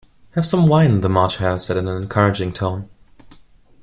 ‘Have some wine,’ the March Hare said in an encouraging tone.